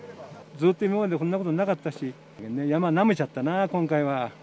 ずっと今までこんなことなかったし、山なめちゃったな、今回は。